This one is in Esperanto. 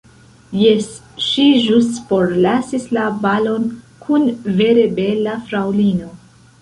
Jes, ŝi ĵus forlasis la balon kun vere bela fraŭlino.